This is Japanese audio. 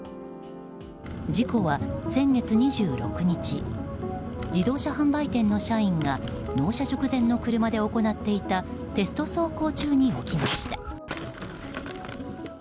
事故は先月２６日自動車販売店の社員が納車直前の車で行っていたテスト走行中に起きました。